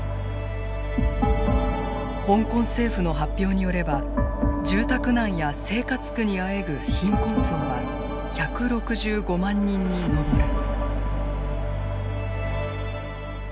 香港政府の発表によれば住宅難や生活苦にあえぐ貧困層は１６５万人に上る。